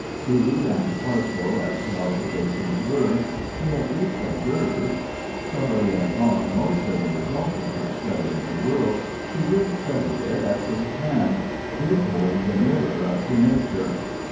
Crude and partial as her observations were, she at least observed; sorry as are most of the results of her study of the world, she did study it at first hand—did hold the mirror up to nature.